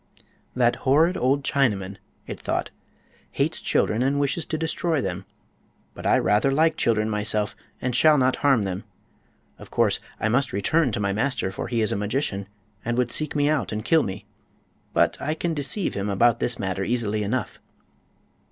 "That horrid old Chinaman," it thought, "hates children and wishes to destroy them. But I rather like children myself and shall not harm them. Of course I must return to my master, for he is a magician, and would seek me out and kill me; but I can deceive him about this matter easily enough."